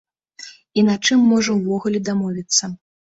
І на чым можа ўвогуле дамовіцца.